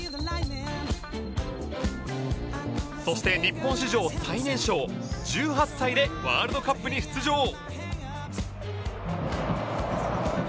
そして日本史上最年少１８歳でワールドカップに出場